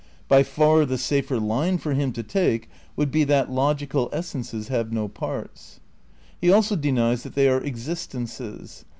By far the safer line for him to take would be that logical essences have no parts. He also denies that they are existences.